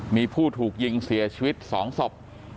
มีผู้ถูกยิงเสียชีวิต๒ศพ